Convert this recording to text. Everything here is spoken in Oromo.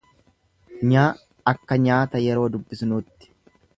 ny akka nyaata yeroo dubbisnuutti.